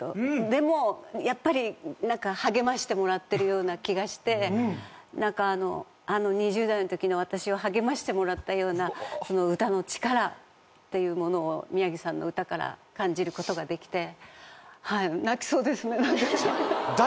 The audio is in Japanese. でもやっぱりなんか励ましてもらってるような気がしてなんかあのあの２０代の時の私を励ましてもらったような歌の力っていうものを宮城さんの歌から感じる事ができてはい。